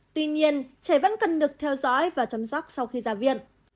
tuy nhiên trẻ vẫn cần được theo dõi và chăm sóc sau khi ra viện